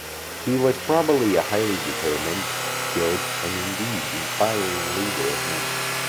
He was "probably a highly determined, skilled and indeed inspiring leader of men".